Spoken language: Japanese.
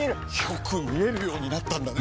よく見えるようになったんだね！